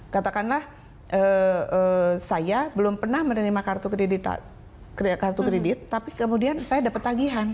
katakanlah saya belum pernah menerima kartu kredit tapi kemudian saya dapat tagihan